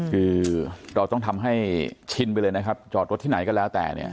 คือเราต้องทำให้ชินไปเลยนะครับจอดรถที่ไหนก็แล้วแต่เนี่ย